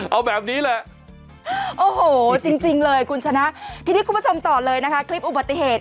เอาแบบนี้แหละโอ้โหจริงเลยคุณชนะทีนี้คุณผู้ชมต่อเลยนะคะคลิปอุบัติเหตุ